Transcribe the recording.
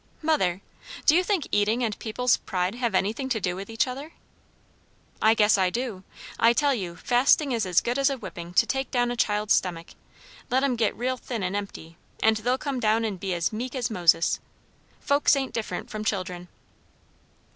"Mother! do you think eating and people's pride have anything to do with each other?" "I guess I do! I tell you, fasting is as good as whipping to take down a child's stomach; let 'em get real thin and empty, and they'll come down and be as meek as Moses. Folks ain't different from children."